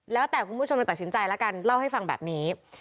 แล้วแต่คุณผู้ชมจะตัดสินใจแล้วกันเล่าให้ฟังแบบนี้